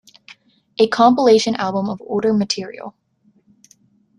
A compilation album of older material.